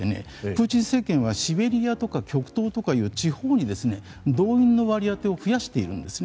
プーチン政権はシベリアとか極東とかいう地方に動員の割り当てを増やしているんです。